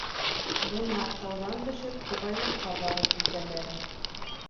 Бына, тауҙан төшөп, туғайлыҡҡа барып етәләр.